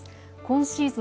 今シーズン